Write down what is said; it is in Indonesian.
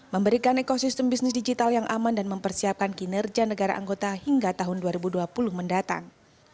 memberikan ekosistem bisnis digital yang aman dan mempersiapkan kinerja negara anggota hingga tahun dua ribu dua puluh mendatang